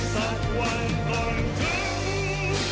สักวันต้องถึง